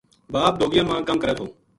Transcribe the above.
باپ ڈوگیاں ما کم کرے تھو